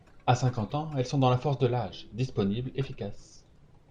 À cinquante ans, elles sont dans la force de l’âge, disponibles, efficaces.